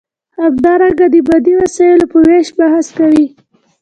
همدارنګه د مادي وسایلو په ویش بحث کوي.